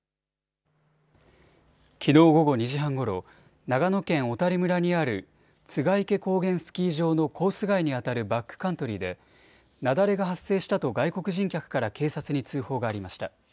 きのう午後２時半ごろ長野県小谷村にある栂池高原スキー場のコース外にあたるバックカントリーで雪崩が発生したと外国人客から警察に通報がありました。